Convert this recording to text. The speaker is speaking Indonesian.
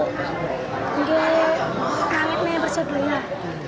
nggak nangitnya yang persebaya